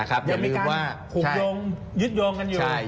อ่ายังมีการยึดยงกันอยู่